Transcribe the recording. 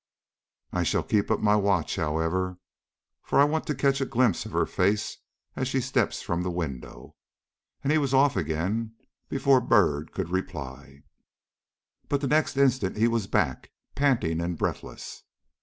I shall keep up my watch, however, for I want to catch a glimpse of her face as she steps from the window." And he was off again before Byrd could reply. But the next instant he was back, panting and breathless.